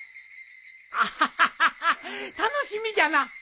アハハハハ楽しみじゃな。